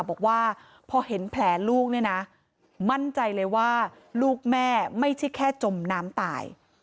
บอกว่าพอเห็นแผลลูกเนี่ยนะมั่นใจเลยว่าลูกแม่ไม่ใช่แค่จมน้ำตาย